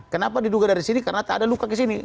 kenapa diduga dari sini karena tak ada luka ke sini